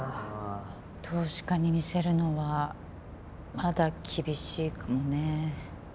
投資家に見せるのはまだ厳しいかもね。